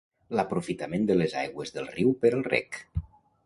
L'aprofitament de les aigües del riu per al reg.